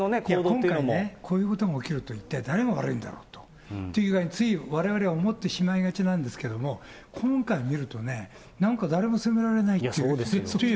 今回ね、こういうことが起きると、一体誰が悪いんだという具合に、ついわれわれは思ってしまいがちなんですけども、今回を見るとね、なんか誰も責められないっていうね。